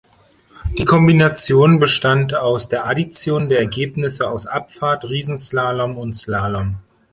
Die Kombination bestand aus der Addition der Ergebnisse aus Abfahrt, Riesenslalom und Slalom.